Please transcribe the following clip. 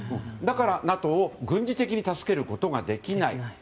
だから、ＮＡＴＯは軍事的に助けることができない。